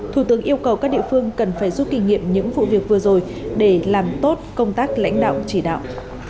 thủ tướng yêu cầu các địa phương cần phải rút kinh nghiệm những vụ việc vừa rồi để làm tốt công tác lãnh đạo chỉ đạo